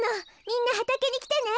みんなはたけにきてね。